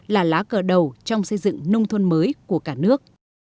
là lá cờ đầu trong xây dựng nông thôn mới của cả nước